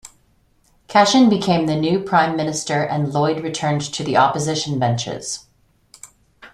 Cashin became the new Prime Minister and Lloyd returned to the opposition benches.